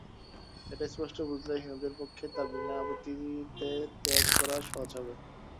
এটা স্পষ্ট বুঝলে হিন্দুদের পক্ষে তা বিনা আপত্তিতে ত্যাগ করা সহজ হবে।